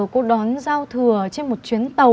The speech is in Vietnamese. cô đón giao thừa trên một chuyến tàu